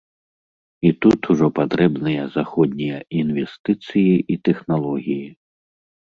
І тут ужо патрэбныя заходнія інвестыцыі і тэхналогіі.